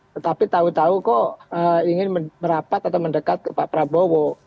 tetapi tahu tahu kok ingin merapat atau mendekat ke pak prabowo